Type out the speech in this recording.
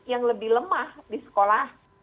yang lebih lemah di sekolah